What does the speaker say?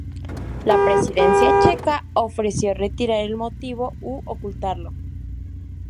La presidencia checa ofreció retirar el motivo u ocultarlo.